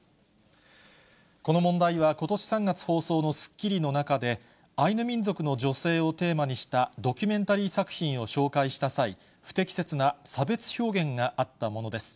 この問題は、ことし３月放送のスッキリの中で、アイヌ民族の女性をテーマにしたドキュメンタリー作品を紹介した際、不適切な差別表現があったものです。